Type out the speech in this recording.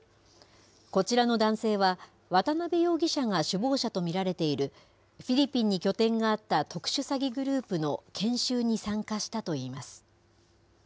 こちらの男性は、渡邉容疑者が首謀者と見られている、フィリピンに拠点があった特殊詐欺グループの研修に参加したといいます。